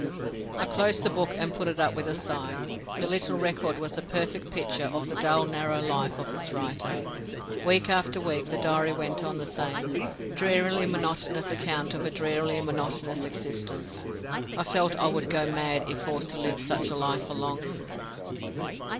I closed the book and put it up with a sigh. The little record was a perfect picture of the dull narrow life of its writer. Week after week that diary went on the same drearily monotonous account of a drearily monotonous existence. I felt I would go mad if forced to live such a life for long.